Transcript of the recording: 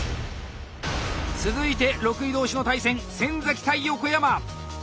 続いて６位同士の対戦先対横山！